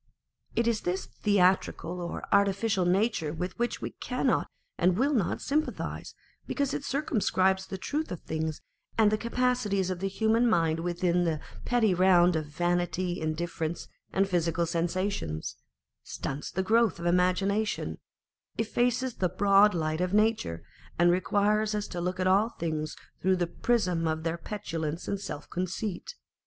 It is this theatrical or artificial nature with which we cannot and will not sympathise, because it circumscribes the truth of things and the capacities of the human mind within the petty round of vanity, indifference, and physical sensations, stunts the growth of imagination, effaces the broad light of nature, and requires us to look at all things through the prism of their petulance and self conceit.